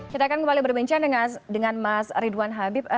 kita akan kembali berbincang dengan mas ridwan habib